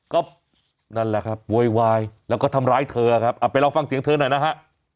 ก็นั่นแหละครับโวยวายแล้วก็ทำร้ายเธอครับเอาไปลองฟังเสียงเธอหน่อยนะฮะ